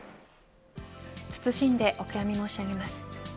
謹んでお悔み申し上げます。